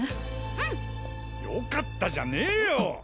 うん！よかったじゃねぇよ！